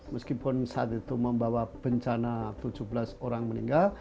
meskipun saat itu membawa bencana tujuh belas orang meninggal